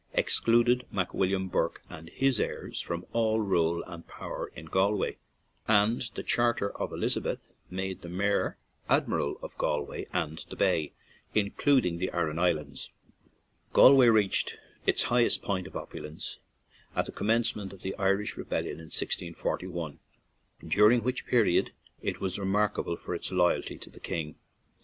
excluded Mc William Burke and his heirs from all rule and power in Gal way; and the charter of Elizabeth made the mayor Admiral of Galway and the bay, including the Aran Islands. Galway reached its high est point of opulence at the commence ment of the Irish rebellion of 1 641, dur ing which period it was remarkable for its loyalty to the king.